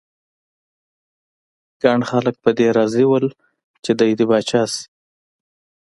ګڼ خلک په دې راضي ول چې دی دې پاچا شي.